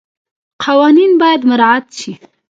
قوانین باید مراعات شي.